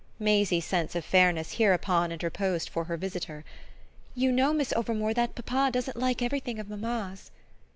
Maisie's sense of fairness hereupon interposed for her visitor. "You know, Miss Overmore, that papa doesn't like everything of mamma's."